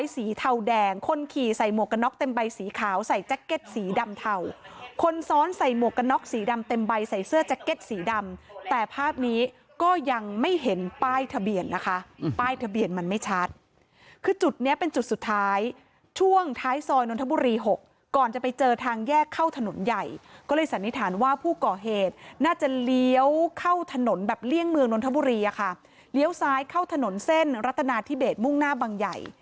ใส่เสื้อแจ็คเก็ตสีดำแต่ภาพนี้ก็ยังไม่เห็นป้ายทะเบียนนะคะอืมป้ายทะเบียนมันไม่ชัดคือจุดเนี้ยเป็นจุดสุดท้ายช่วงท้ายซอยนทบุรีหกก่อนจะไปเจอทางแยกเข้าถนนใหญ่ก็เลยสันนิษฐานว่าผู้ก่อเหตุน่าจะเลี้ยวเข้าถนนแบบเลี่ยงเมืองนทบุรีอะค่ะเลี้ยวซ้ายเข้าถนนเส้นรัฐนาธิเบตมุ่ง